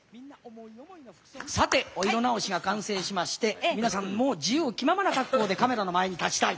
さてお色直しが完成しまして皆さんもう自由気ままな格好でカメラの前に立ちたい。